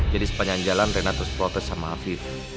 jadi sepanjang jalan rena terus protes sama afif